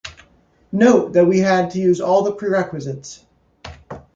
Note that we had to use all the prerequisites.